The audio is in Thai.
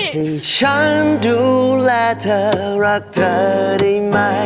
ให้ฉันดูแลเธอรักเธอได้ไหม